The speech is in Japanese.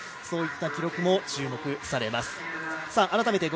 そういった記録も注目されます。